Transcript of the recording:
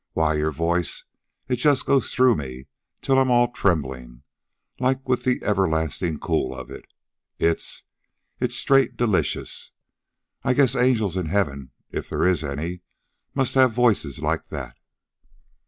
Why, your voice, it just goes through me till I'm all trembling like with the everlastin' cool of it. It's it's straight delicious. I guess angels in heaven, if they is any, must have voices like that."